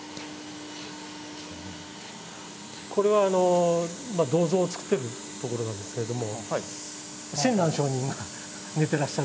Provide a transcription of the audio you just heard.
これは銅像をつくってるところなんですけれども。